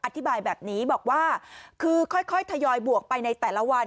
อธิบายแบบนี้บอกว่าคือค่อยทยอยบวกไปในแต่ละวัน